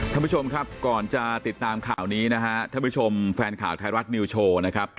ท่านผู้ชมครับก่อนจะติดตามข่าวนี้นะฮะท่านผู้ชมแฟนข่าวไทยรัฐนิวโชว์นะครับ